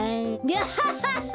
ギャハハハ。